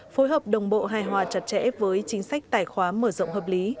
phối hợp đồng bộ hài hòa chặt chẽ với chính sách tài khoá mở rộng hợp lý